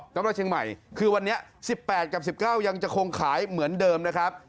สำหรับเชียงใหม่คือวันนี้๑๘กับ๑๙ยังจะคงขายเหมือนเดิมนะครับ